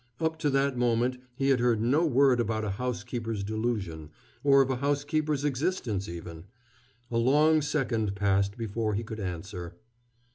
Up to that moment he had heard no word about a housekeeper's delusion, or of a housekeeper's existence even. A long second passed before he could answer.